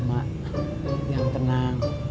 mak yang tenang